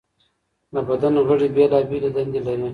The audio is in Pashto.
د بدن غړي بېلابېلې دندې لري.